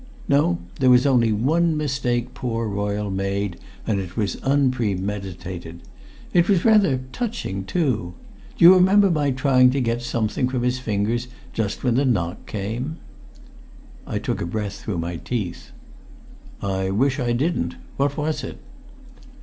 No; there was only one mistake poor Royle made, and it was unpremeditated. It was rather touching too. Do you remember my trying to get something from his fingers, just when the knock came?" I took a breath through my teeth. "I wish I didn't. What was it?"